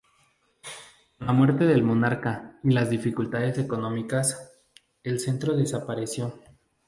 Con la muerte del monarca y las dificultades económicas, el centro desapareció.